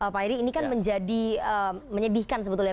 pak eri ini kan menjadi menyedihkan sebetulnya